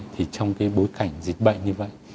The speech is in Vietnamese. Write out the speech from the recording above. thì trong cái bối cảnh dịch bệnh như vậy